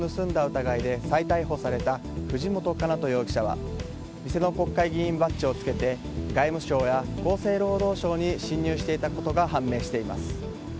疑いで再逮捕された藤本叶人容疑者は偽の国会議員バッジを着けて外務省や厚生労働省に侵入していたことが判明しています。